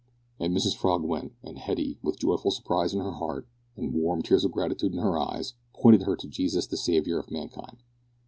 And Mrs Frog went, and Hetty, with joyful surprise in her heart, and warm tears of gratitude in her eyes, pointed her to Jesus the Saviour of mankind.